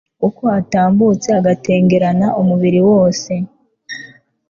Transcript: Uko atambutse agatengerana umubiri wose